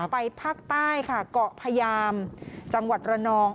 ไปภาคใต้ค่ะเกาะพยามจังหวัดระนอง